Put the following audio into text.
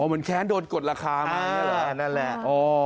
อ๋อเหมือนแค้นโดนกดราคามันอย่างนั้นหรออ๋อนั่นแหละ